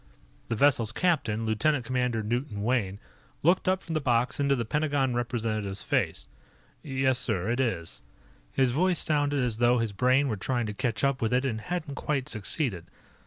The vessel's captain, Lieutenant Commander Newton Wayne, looked up from the box into the Pentagon representative's face. "Yes, sir, it is." His voice sounded as though his brain were trying to catch up with it and hadn't quite succeeded.